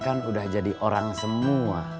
kan udah jadi orang semua